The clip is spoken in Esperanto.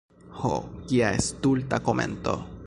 Ho, kia stulta komento!